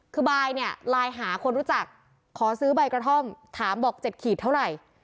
คือบายเนี่ยไลน์หาคนรู้จักขอซื้อใบกระท่อมถามบอก๗ขีดเท่าไหร่